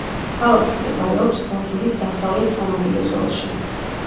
ქალაქი მდებარეობს კუნძულის დასავლეთ სანაპირო ზოლში.